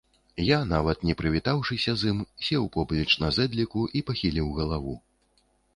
Я, нават не прывітаўшыся з ім, сеў поплеч на зэдліку і пахіліў галаву.